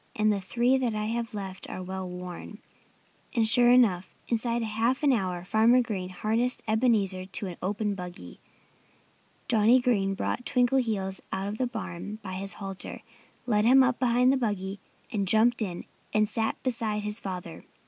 And the three that I have left are well worn." And sure enough! Inside a half hour Farmer Green harnessed Ebenezer to an open buggy. Johnnie Green brought Twinkleheels out of the barn by his halter, led him up behind the buggy, and jumped in and sat beside his father.